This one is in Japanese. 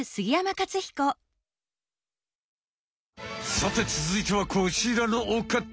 さてつづいてはこちらのおかた！